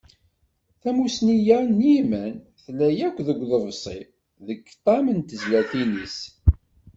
Tamussni-a n yiman, tella akk deg uḍebsi, deg ṭam n tezlatin-is.